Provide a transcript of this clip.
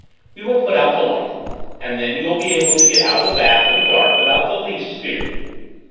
We will put out the light, and then you will be able to get out of the bath in the dark without the least fear."